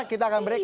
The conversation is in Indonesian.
kita akan break